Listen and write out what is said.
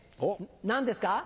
何ですか？